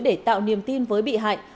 để tạo niềm tin với bị hại